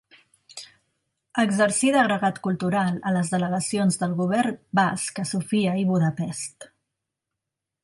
Exercí d'agregat cultural a les Delegacions del Govern Basc en Sofia i Budapest.